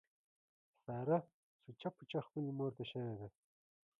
ساره سوچه پوچه خپلې مورته شوې ده.